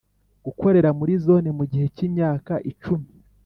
Gukorera muri zone mu gihe cy imyaka icumi